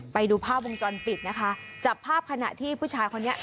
ไปดูภาพวงจรปิดนะคะจับภาพขณะที่ผู้ชายคนนี้